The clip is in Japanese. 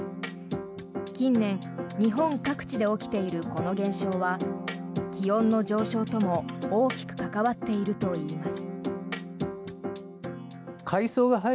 近年、日本各地で起きているこの現象は気温の上昇とも大きく関わっているといいます。